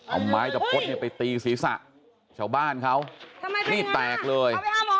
เอาไม้ตะพดเนี่ยไปตีศีรษะชาวบ้านเขานี่แตกเลย